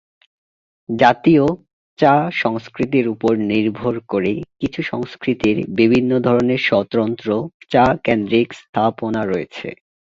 জাতীয় চা সংস্কৃতির উপর নির্ভর করে কিছু সংস্কৃতির বিভিন্ন ধরনের স্বতন্ত্র চা-কেন্দ্রিক স্থাপনা রয়েছে।